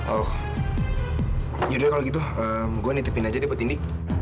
oh yaudah kalau gitu gue nitipin aja deh buat ini